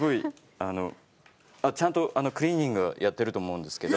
ああちゃんとクリーニングやってると思うんですけど。